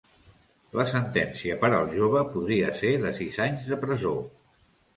La sentència per al jove podria ser de sis anys de presó